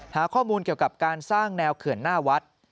หาข้อมูลเกี่ยวกับการสร้างแนวเขื่อนหน้าวัด